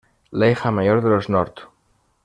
La hija mayor de los North.